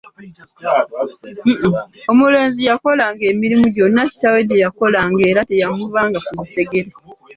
Omulenzi yakolanga emirimu gyonna kitaawe gye yakolanga era teyamuvanga ku lusegere.